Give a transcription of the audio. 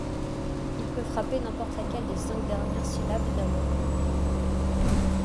Il peut frapper n’importe laquelle des cinq dernières syllabes d’un mot.